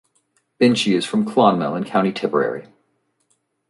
Binchy is from Clonmel in County Tipperary.